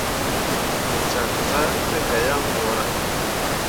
Me cak zah na gah yaŋ ɓorah.